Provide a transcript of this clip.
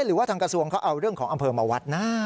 หรือว่าทางกระทรวงเขาเอาเรื่องของอำเภอมาวัดนะ